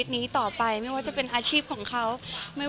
ก็ให้เขาเจอสิ่งดีค่ะแน่นอน